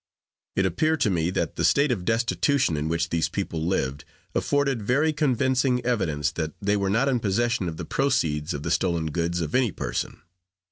It appeared to me that the state of destitution in which these people lived, afforded very convincing evidence that they were not in possession of the proceeds of the stolen goods of any person.